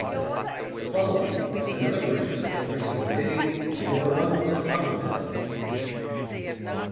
[THE following is another version of the preceding ditty, and is the one most commonly sung.